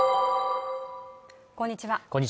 こんにちは